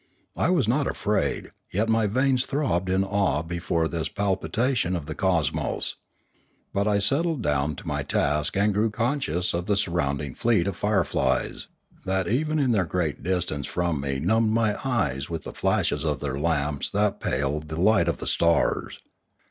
I was not afraid; yet my veins throbbed in awe before this 640 Limanora palpitation of the cosmos. But I settled down to my task and grew conscious of the surrounding fleet of fire flies, that even at their great distance from me numbed my eyes with the flash of their lamps and paled the light of the stars.